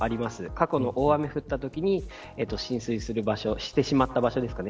過去に大雨が降ったときに浸水してしまった場所ですかね。